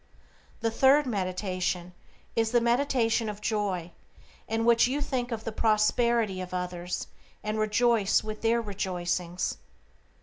"The third meditation is the meditation of joy, in which you think of the prosperity of others, and rejoice with their rejoicings.